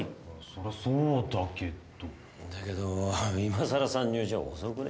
そりゃそうだけどだけど今さら参入じゃ遅くね？